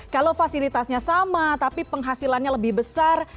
kalau fasilitasnya sama tapi penghasilannya lebih besar